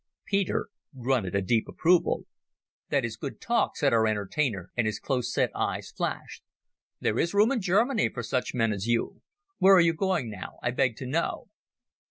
Peter grunted a deep approval. "That is good talk," said our entertainer, and his close set eyes flashed. "There is room in Germany for such men as you. Where are you going now, I beg to know."